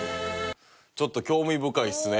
ちょっと興味深いっすね。